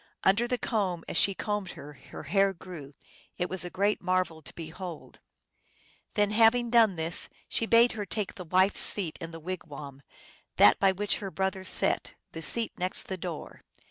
Under the comb, as she combed her, her hair grew. It was a great marvel to behold. Then, having done this, she bade her take the wife^s seat in the wigwam, that by which her brother sat, the seat next the door.